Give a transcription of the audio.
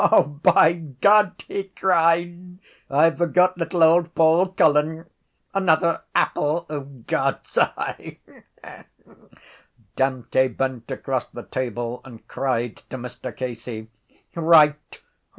—O, by God, he cried, I forgot little old Paul Cullen! Another apple of God’s eye! Dante bent across the table and cried to Mr Casey: —Right!